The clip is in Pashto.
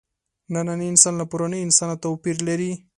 نننی انسان له پروني انسانه توپیر لري.